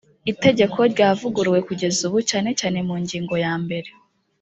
itegeko ryavuguruwe kugeza ubu cyane cyane mu ngingo yambere.